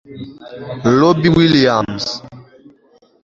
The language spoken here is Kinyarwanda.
robbie williams